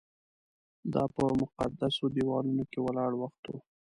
دا په مقدسو دیوالونو کې ولاړ وخت و.